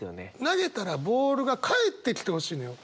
投げたらボールが返ってきてほしいのよ。